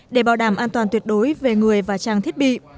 để bảo đảm an toàn tuyệt đối về người và trang thiết bị